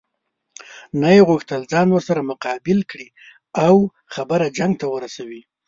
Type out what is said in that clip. نه یې غوښتل ځان ورسره مقابل کړي او خبره جنګ ته ورسوي.